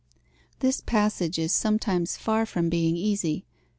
This passage is sometimes far from being easy.